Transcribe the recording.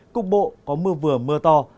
cùng bộ có mưa vừa mưa to